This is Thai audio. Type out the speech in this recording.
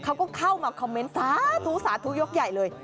เขาก็เข้ามาคอมเมนต์สาธุสาธุยกใหญ่เลย